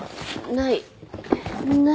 ない。